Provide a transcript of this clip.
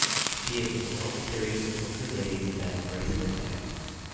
She is a World Series of Poker Ladies' Event bracelet winner.